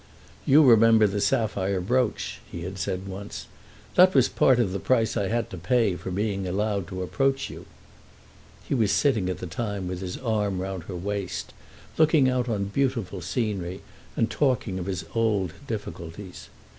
"You remember the sapphire brooch," he had said once. "That was part of the price I had to pay for being allowed to approach you." He was sitting at the time with his arm round her waist, looking out on beautiful scenery and talking of his old difficulties.